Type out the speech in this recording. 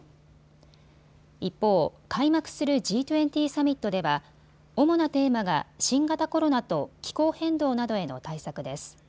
一方、開幕するＧ２０サミットでは主なテーマが新型コロナと気候変動などへの対策です。